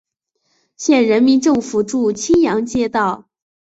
县人民政府驻青阳街道。